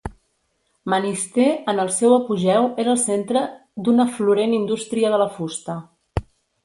Manistee, en el seu apogeu, era el centre d'una florent indústria de la fusta.